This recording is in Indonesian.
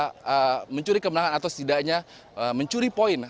atau setidaknya mencuri kemenangan atau setidaknya mencuri poin